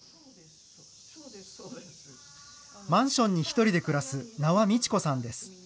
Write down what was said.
マンションに１人で暮らす名和道子さんです。